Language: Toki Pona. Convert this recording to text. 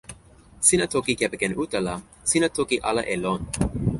sina toki kepeken uta la sina toki ala e lon.